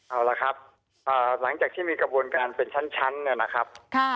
เอาละครับหลังจากที่มีกระบวนการเป็นชั้นนะครับ